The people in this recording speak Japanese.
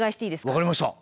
分かりました。